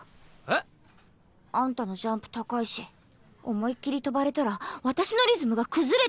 えっ？あんたのジャンプ高いし思いっ切り跳ばれたら私のリズムが崩れて。